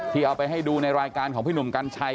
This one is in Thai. เอาไปให้ดูในรายการของพี่หนุ่มกัญชัย